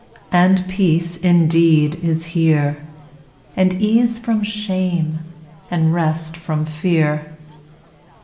and peace, indeed, is here, And ease from shame, and rest from fear.